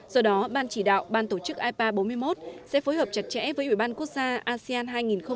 do đó ban chỉ đạo ban tổ chức ipa bốn mươi một sẽ phối hợp chặt chẽ với ủy ban quốc gia asean hai nghìn hai mươi